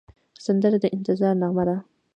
سندره د انتظار نغمه ده